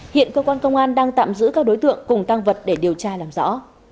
hiện cơ quan công an đang tạm giữ các đối tượng cùng tăng vật để điều tra làm rõ